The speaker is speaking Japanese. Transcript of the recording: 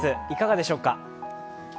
いかがでしょうか？